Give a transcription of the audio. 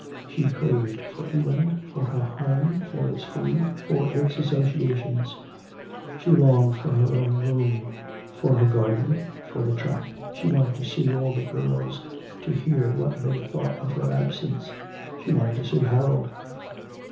She craved for England, for her home, for its food, for its associations. She longed for her own room, for her garden, for the trap. She wanted to see all the girls, to hear what they thought of her absence. She wanted to see Harold.